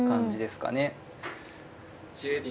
１０秒。